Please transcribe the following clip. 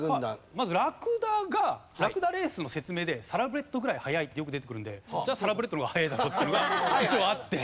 まずラクダがラクダレースの説明で「サラブレッドくらい速い」ってよく出てくるのでじゃあサラブレッドの方が速いだろっていうのが一応あって。